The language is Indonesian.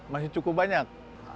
masih cukup banyak